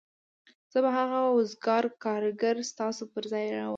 زه به هغه وزګار کارګر ستاسو پر ځای راوړم